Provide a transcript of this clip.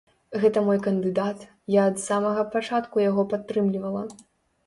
Гэта мой кандыдат, я ад самага пачатку яго падтрымлівала.